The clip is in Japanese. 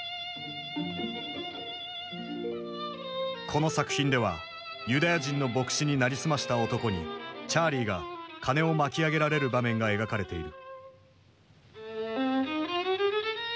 この作品ではユダヤ人の牧師に成り済ました男にチャーリーが金を巻き上げられる場面が描かれている。